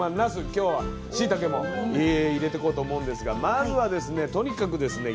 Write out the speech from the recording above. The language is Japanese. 今日はしいたけも入れてこうと思うんですがまずはですねとにかくですね